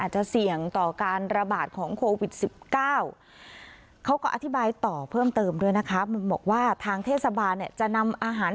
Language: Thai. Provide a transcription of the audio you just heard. เขาบอกว่าเขาลงพื้นที่มาแล้วแล้วมันมีลักษณะของการชุมนมกัน